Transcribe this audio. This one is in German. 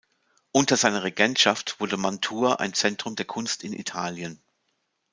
Unter seiner Regentschaft wurde Mantua ein Zentrum der Kunst in Italien.